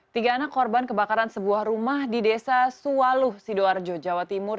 tiga anak korban kebakaran sebuah rumah di desa suwaluh sidoarjo jawa timur